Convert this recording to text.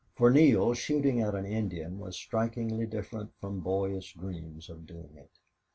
For Neale shooting at an Indian was strikingly different from boyish dreams of doing it.